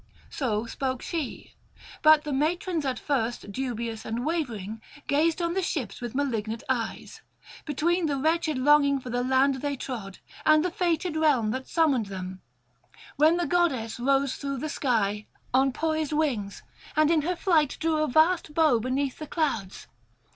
So spoke she. ... But the matrons at first, dubious and wavering, gazed on the ships with malignant eyes, between the wretched longing for the land they trod and the fated realm that summoned them: when the goddess rose through the sky on poised wings, and in her flight drew a vast bow beneath the clouds.